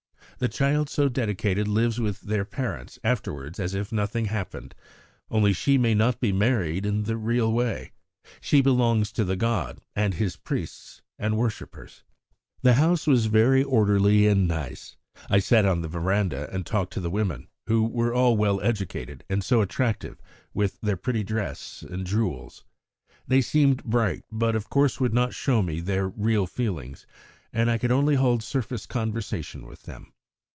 The child so dedicated lives with her parents afterwards as if nothing had happened, only she may not be married in the real way. She belongs to the god and his priests and worshippers." "The house was very orderly and nice. I sat on the verandah and talked to the women, who were all well educated and so attractive with their pretty dress and jewels. They seemed bright, but, of course, would not show me their real feelings, and I could only hold surface conversation with them."